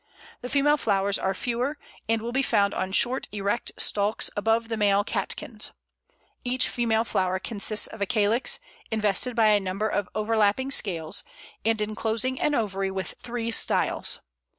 The female flowers are fewer, and will be found on short erect stalks above the male catkins. Each female flower consists of a calyx, invested by a number of overlapping scales, and enclosing an ovary with three styles.